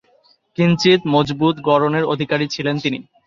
কিঞ্চিৎ মজবুত গড়নের অধিকারী ছিলেন তিনি।